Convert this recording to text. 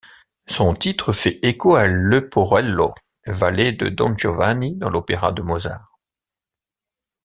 Son titre fait écho à Leporello, valet de Don Giovanni dans l'opéra de Mozart.